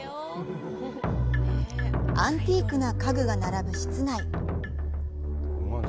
アンティークな家具が並ぶ室内。